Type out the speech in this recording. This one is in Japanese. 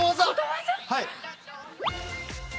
はい。